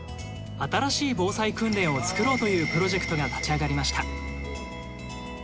新しい防災訓練を作ろうというプロジェクトが立ち上がりました。